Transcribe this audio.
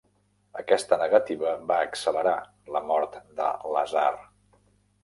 Aquesta negativa va accelerar la mort de Lazar.